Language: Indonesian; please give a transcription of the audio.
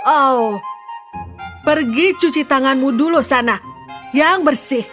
oh pergi cuci tanganmu dulu sana yang bersih